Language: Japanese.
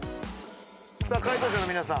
解答者の皆さん